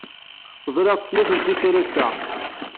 Ẓriɣ-tt snat n tikkal ass-a.